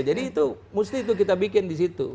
jadi itu mesti itu kita bikin di situ